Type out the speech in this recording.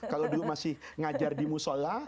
kalau dulu masih ngajar di musola